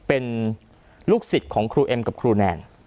เป็นลูกศิษย์ของครูเอ็มกับครูแนน